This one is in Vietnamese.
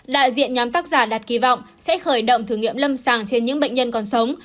đại diện nhóm tác giả đặt kỳ vọng sẽ khởi động thử nghiệm lâm sàng trên những bệnh nhân còn sống